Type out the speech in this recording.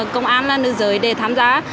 công an là nữ giới để tham gia